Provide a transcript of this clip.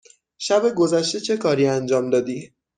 شب گذشته چه کاری انجام دادی؟